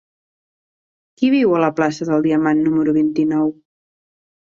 Qui viu a la plaça del Diamant número vint-i-nou?